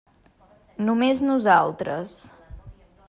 Només nosaltres.